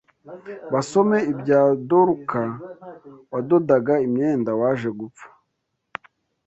Basome ibya Doruka wadodaga imyenda waje gupfa